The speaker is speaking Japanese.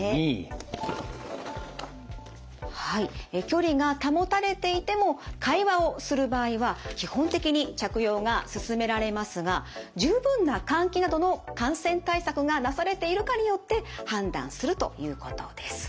距離が保たれていても会話をする場合は基本的に着用がすすめられますが十分な換気などの感染対策がなされているかによって判断するということです。